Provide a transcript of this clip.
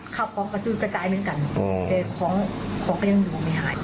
ข้าวของกระจุนกระจายเหมือนกันแต่ของของก็ยังอยู่ไม่หาย